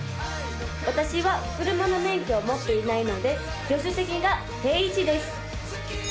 私は車の免許を持っていないので助手席が定位置です